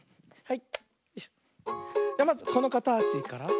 じゃまずこのかたちから。